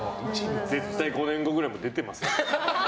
絶対５年後ぐらいも出てますよ。